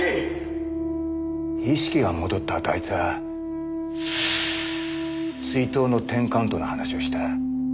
意識が戻ったあとあいつは追悼のテンカウントの話をした。